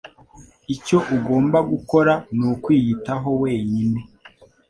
Icyo ugomba gukora nukwiyitaho wenyine.